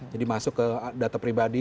jadi masuk ke data pribadi